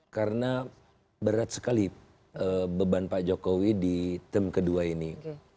karena berat sekali beban pak jokowi di term kedua ini